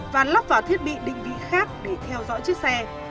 và lắp vào thiết bị định vị khác để theo dõi chiếc xe